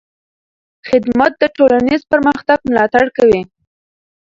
خدمت د ټولنیز پرمختګ ملاتړ کوي.